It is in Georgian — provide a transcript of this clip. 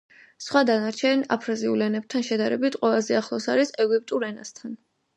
სხვა დანარჩენ აფრაზიულ ენებთან შედარებით ყველაზე ახლოს არის ეგვიპტურ ენასთან.